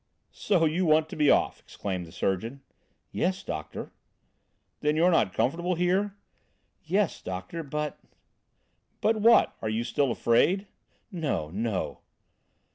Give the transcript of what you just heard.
"So you want to be off," exclaimed the surgeon. "Yes, doctor." "Then you're not comfortable here?" "Yes, doctor, but " "But, what? Are you still afraid?" "No, no."